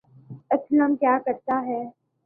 اسلم کیا کرتا ہے